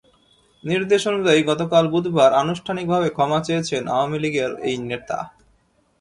নির্দেশ অনুযায়ী, গতকাল বুধবার আনুষ্ঠানিকভাবে ক্ষমা চেয়েছেন আওয়ামী লীগের এই নেতা।